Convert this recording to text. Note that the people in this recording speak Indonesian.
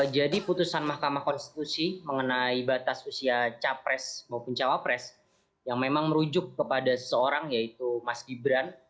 jadi putusan mahkamah konstitusi mengenai batas usia capres maupun cawapres yang memang merujuk kepada seseorang yaitu mas gibran